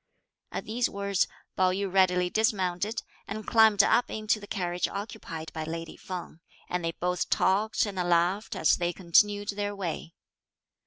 At these words, Pao yü readily dismounted and climbed up into the carriage occupied by lady Feng; and they both talked and laughed, as they continued their way.